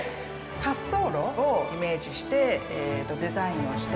滑走路をイメージしてデザインをしています。